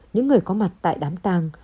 những người có mặt tại đám tang